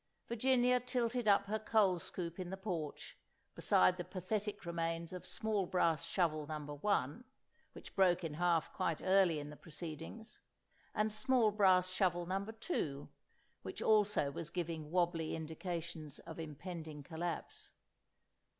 Virginia tilted up her coal scoop in the porch, beside the pathetic remains of small brass shovel No. 1 (which broke in half quite early in the proceedings), and small brass shovel No. 2 (which also was giving wobbly indications of impending collapse).